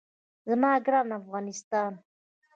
زما ګران افغانستان.